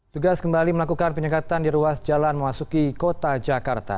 tugas kembali melakukan penyekatan di ruas jalan memasuki kota jakarta